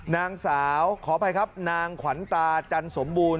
นางสาวขออภัยครับนางขวัญตาจันสมบูรณ